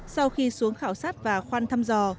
sau khi xuống khảo sát và khoan thăm dò